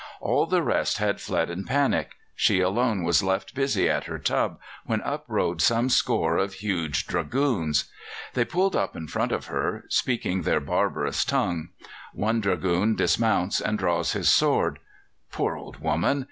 All the rest had fled in panic; she alone was left busy at her tub, when up rode some score of huge Dragoons. They pulled up in front of her, speaking their barbarous tongue. One Dragoon dismounts and draws his sword. Poor old woman!